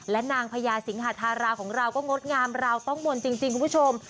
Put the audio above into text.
และนางพญาสิงหาธาราของเราก็งดงามราวต้องมนต์จริงคุณผู้ชม